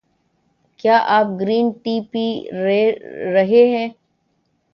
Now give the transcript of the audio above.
کیا آپ green tea پی رہے ہے؟